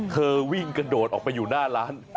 เธอวิ่งกระโดดออกไปอยู่หน้าร้าน